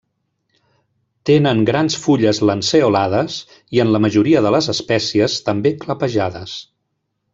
Tenen grans fulles lanceolades, i en la majoria de les espècies, també clapejades.